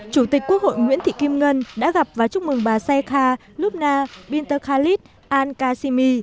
chủ tịch quốc hội nguyễn thị kim ngân đã gặp và chúc mừng bà sheikha lubna bint khalid al qasimi